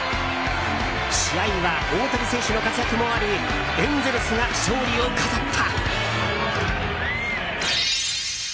試合は大谷選手の活躍もありエンゼルスが勝利を飾った。